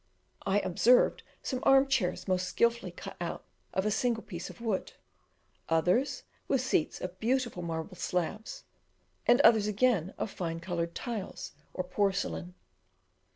I observed some arm chairs most skilfully cut out of a single piece of wood; others with seats of beautiful marble slabs; and others again of fine coloured tiles or porcelain.